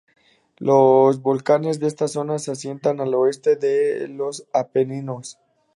Los volcanes de esta zona, se asienta al oeste de los Apeninos.